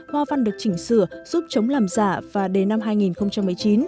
hoa văn được chỉnh sửa giúp chống làm giả và đến năm hai nghìn một mươi chín